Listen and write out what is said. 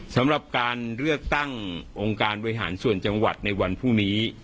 สำหรับการเลือกตั้งองค์การบริหารส่วนจังหวัดในวันพรุ่งนี้